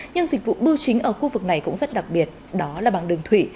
nhưng dịch vụ bưu chính ở khu vực này cũng rất đặc biệt đó là bằng đường thủy